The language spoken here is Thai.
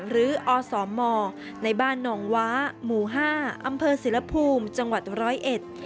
หรืออสมในบ้านนองวะหมู่๕อศิลปูมจังหวัด๑๐๑